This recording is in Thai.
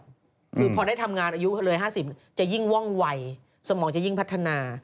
คือพอได้ทำงานอายุเขาเลย๕๐จะยิ่งว่องวัยสมองจะยิ่งพัฒนา